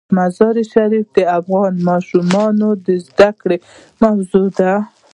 مزارشریف د افغان ماشومانو د زده کړې موضوع ده.